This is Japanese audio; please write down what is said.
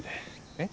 えっ？